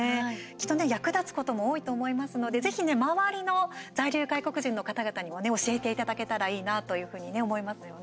きっとね役立つことも多いと思いますのでぜひね、周りの在留外国人の方々にもね、教えていただけたらいいなというふうにね思いますよね。